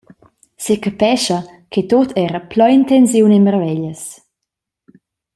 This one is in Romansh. Secapescha che tut era plein tensiun e marveglias.